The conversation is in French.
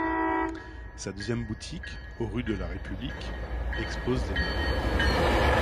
Sa deuxième boutique, au rue de la République, expose des meubles.